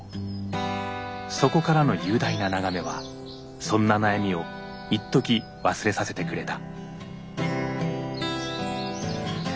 そこからの雄大な眺めはそんな悩みをいっとき忘れさせてくれた。